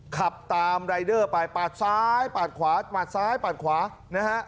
ขับตามรายเดอร์ไปปาดซ้ายปาดขวาปาดซ้ายปาดขวานะฮะ